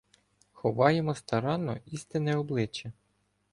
Ховаємо старанно істинне обличчя.